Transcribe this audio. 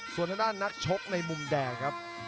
ส่วนทางด้านนักชกในมุมแดงครับ